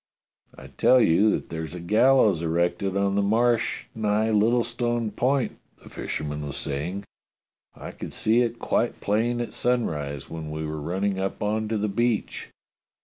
" I tell you that there's a gallows erected on the Marsh nigh Littlestone Point," the fisherman was saying. "I could see it quite plain at sunrise when we were running up on to the beach."